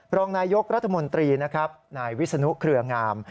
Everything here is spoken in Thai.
รองนายยกรัฐมนตรีนะครับนายวิศนุเครืองาม